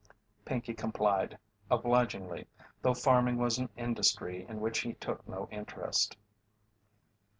Pinkey complied obligingly, though farming was an industry in which he took no interest.